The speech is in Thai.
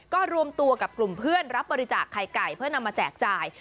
ก็รวมตัวกับกลุ่มเพื่อนรับบริจาคไข่ไก่เพื่อนำมาแจกจ่าย